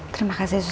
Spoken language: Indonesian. terima kasih susti